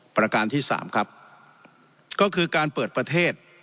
ประการที่สามครับก็คือการเปิดประเทศ